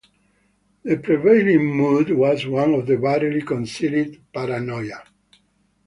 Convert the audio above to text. The prevailing mood was one of barely concealed paranoia.